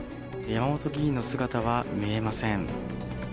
山本議員の姿は見えません。